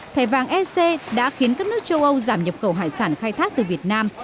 thẻ vàng ec đã khiến các nước châu âu giảm nhập khẩu hải sản khai thác từ việt nam